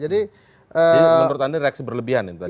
jadi menurut anda reaksi berlebihan itu tadi